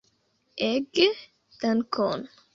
Ege dankon!